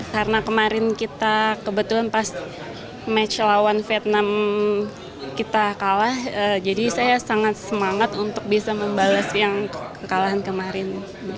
karena kemarin kita kebetulan pas match lawan vietnam kita kalah jadi saya sangat semangat untuk bisa membalas yang kekalahan kemarin